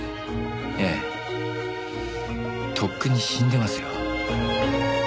ええとっくに死んでますよ。